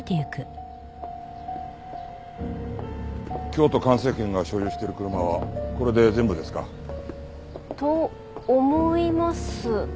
京都環生研が所有してる車はこれで全部ですか？と思います。